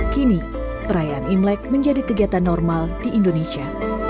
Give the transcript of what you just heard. kini perayaan imlek menjadi kegiatan normal di indonesia